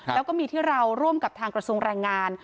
แล้วก็มีที่เราร่วมกับทางกระทรวงแรงงาน